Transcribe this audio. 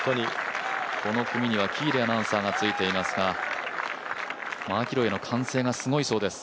この組には喜入アナウンサーがついていますが、マキロイの歓声がすごいそうです。